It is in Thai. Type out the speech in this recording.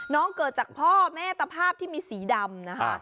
เกิดจากพ่อแม่ตะภาพที่มีสีดำนะคะ